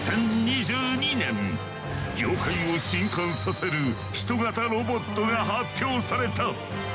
業界を震撼させる人型ロボットが発表された。